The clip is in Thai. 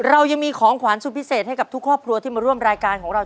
เรายังมีของขวานสุดพิเศษให้กับทุกครอบครัวที่มาร่วมรายการของเรา